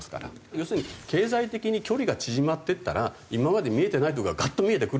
要するに経済的に距離が縮まっていったら今まで見えてない部分がガッと見えてくるんで。